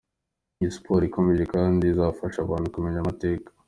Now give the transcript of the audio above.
Ni siporo ikomeye kandi izafasha abantu kumenya amateka.